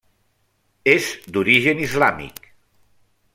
És d'origen islàmic.